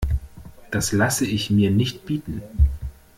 Das lasse ich mir nicht bieten!